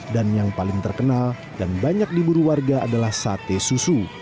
dan yang paling terkenal dan banyak di buru warga adalah sate susu